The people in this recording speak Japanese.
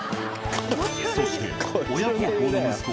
そして親孝行の息子